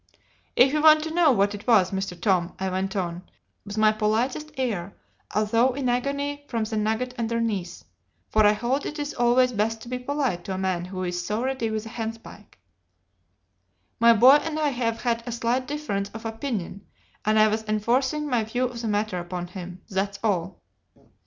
"'If you want to know what it was, Mr. Tom,' I went on, with my politest air, although in agony from the nugget underneath for I hold it is always best to be polite to a man who is so ready with a handspike 'my boy and I have had a slight difference of opinion, and I was enforcing my view of the matter upon him; that's all.